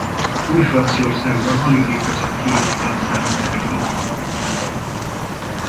Új-Franciaországban alig létezett kiépített szállítási infrastruktúra.